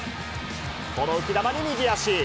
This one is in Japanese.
この浮き球に右足。